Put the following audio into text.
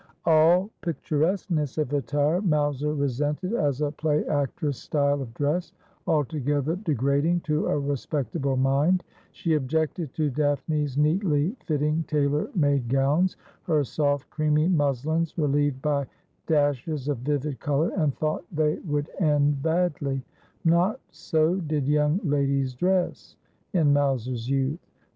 All picturesqueness of attire Mowser resented as a play actress style of dress, altogether degrading to a respectable mind. She objected to Daphne's neatly fitting, tailor made gowns, her soft creamy muslins, relieved by dashes of vivid colour, and thought they would end badly. Not so did young ladies dress in Mowser's youth.